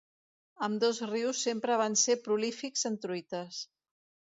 Ambdós rius sempre van ser prolífics en truites.